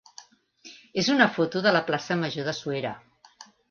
és una foto de la plaça major de Suera.